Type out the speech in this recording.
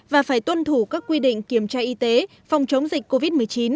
và phải tuân thủ các quy định kiểm tra y tế phòng chống dịch covid một mươi chín